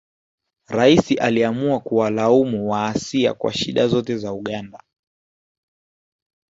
Rais aliamua kuwalaumu Waasia kwa shida zote za Uganda